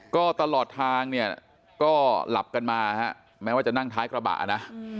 ก็ตลอดทางเนี่ยก็หลับกันมาฮะแม้ว่าจะนั่งท้ายกระบะนะ